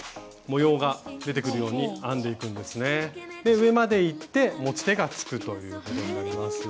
上までいって持ち手がつくということになります。